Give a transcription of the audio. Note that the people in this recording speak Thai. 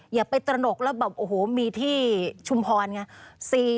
อย่าไปตระหนกแล้วแบบโอ้โหมีที่ชุมพรไง